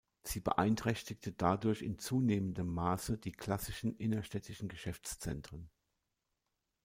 Sie beeinträchtigte dadurch in zunehmendem Maße die klassischen innerstädtischen Geschäftszentren.